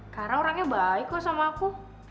karena orangnya baik kok sama aku